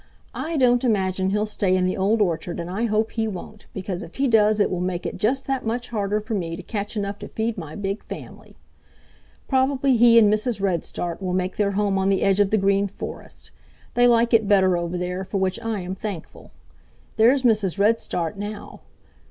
"I don't imagine he'll stay in the Old Orchard and I hope he won't, because if he does it will make it just that much harder for me to catch enough to feed my big family. Probably he and Mrs. Redstart will make their home on the edge of the Green Forest. They like it better over there, for which I am thankful. There's Mrs Redstart now.